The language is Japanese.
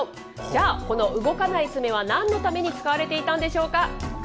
じゃあ、この動かない爪はなんのために使われていたんでしょうか。